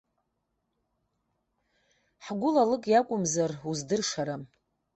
Ҳгәыла алыг иакәымзар уздыршам.